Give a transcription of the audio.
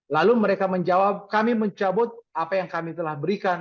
lalu mereka menjawab kami mencabut apa yang kami telah berikan